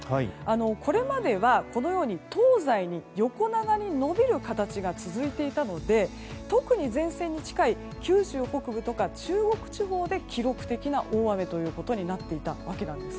これまでは東西に横長に延びる形が続いていたので、特に前線に近い九州北部とか中国地方で記録的な大雨となっていたわけなんです。